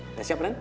udah siap ren